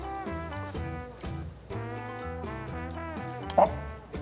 あっ！